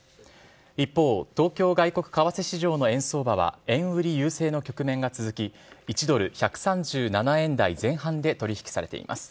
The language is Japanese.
一方、東京外国為替市場の円相場は、円売り優勢の局面が続き、１ドル１３７円台前半で取り引きされています。